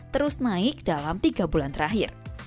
terus naik dalam tiga bulan terakhir